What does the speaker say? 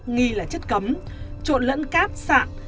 nghi là chất cấm trộn lẫn cát sạng